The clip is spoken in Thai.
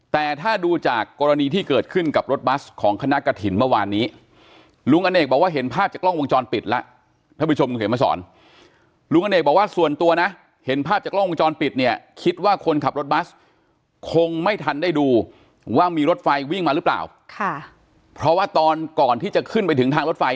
แต่ถ้าดูจากกรณีที่เกิดขึ้นกับรถบัสของคณะกระถิ่นเมื่อวานนี้ลุงอเนกบอกว่าเห็นภาพจากกล้องวงจรปิดแล้วท่านผู้ชมคุณเขียนมาสอนลุงอเนกบอกว่าส่วนตัวนะเห็นภาพจากกล้องวงจรปิดเนี่ยคิดว่าคนขับรถบัสคงไม่ทันได้ดูว่ามีรถไฟวิ่งมาหรือเปล่าค่ะเพราะว่าตอนก่อนที่จะขึ้นไปถึงทางรถไฟ